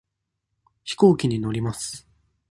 飛行機に乗ります。